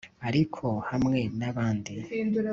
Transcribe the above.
ariko hamwe nabandi